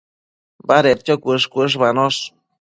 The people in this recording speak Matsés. Badedquio cuësh-cuëshbanosh